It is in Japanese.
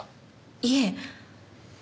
いえ。